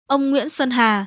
ông nguyễn xuân hà